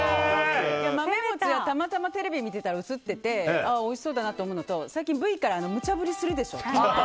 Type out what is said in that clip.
豆もちは、たまたまテレビを見たら映ってておいしそうだなと思ったのと最近Ｖからむちゃ振りするでしょ。